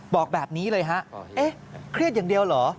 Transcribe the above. บอกแบบนี้เลยฮะเอ๊ะเครียดอย่างเดียวเหรอ